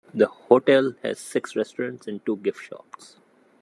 The hotel has six restaurants and two gift shops.